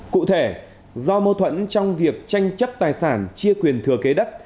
cụ thể do mâu thuẫn trong việc tranh chấp tài sản chia quyền thừa kế đất